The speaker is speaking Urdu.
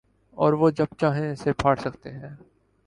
اوروہ جب چاہیں اسے پھاڑ سکتے ہیں۔